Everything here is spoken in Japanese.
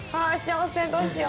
どうしよう。